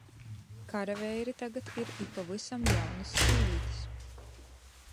Karaveiri tagad ir i pavysam jaunys sīvītis.